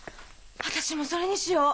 私もそれにしよう。